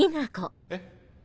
えっ？